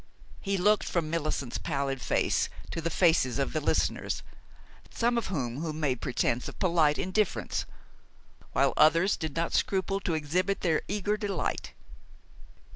He looked from Millicent's pallid face to the faces of the listeners, some of whom made pretense of polite indifference, while others did not scruple to exhibit their eager delight.